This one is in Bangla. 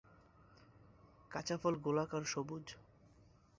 কাঁচা ফল গোলাকার সবুজ।